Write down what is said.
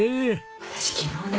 私昨日ね